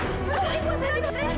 ada luka enggak